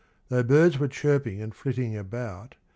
Though birds were chirping and flitting about.